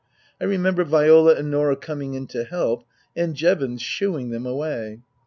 I remember Viola and Norah coming in to help and Jevons shooing them away.